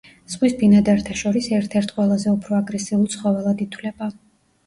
ზღვის ბინადართა შორის ერთ-ერთ ყველაზე უფრო აგრესიულ ცხოველად ითვლება.